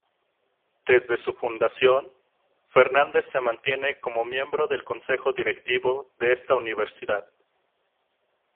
Desde su fundación, Fernández se mantiene como miembro del Consejo Directivo de esta universidad.